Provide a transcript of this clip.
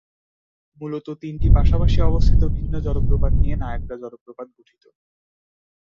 মূলত তিনটি পাশাপাশি অবস্থিত ভিন্ন জলপ্রপাত নিয়ে নায়াগ্রা জলপ্রপাত গঠিত।